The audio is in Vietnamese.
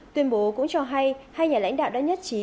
tuyên bố cũng cho hay hai nhà lãnh đạo đã nhất trí